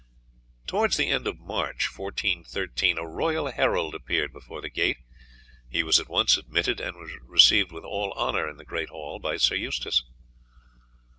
Towards the end of March, 1413, a royal herald appeared before the gate. He was at once admitted, and was received with all honour in the great hall by Sir Eustace.